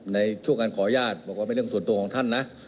ในช่วงการขออนุญาตบอกว่าเป็นเรื่องส่วนตัวของท่านนะ